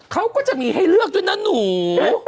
เขาก็จะมีให้เลือกด้วยนะหนู